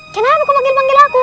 kenapa kau panggil panggil aku